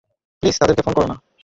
Please তাদেরকে phone করো না।